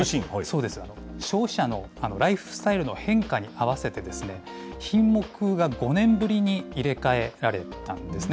消費者のライフスタイルの変化に合わせて、品目が５年ぶりに入れ替えられたんですね。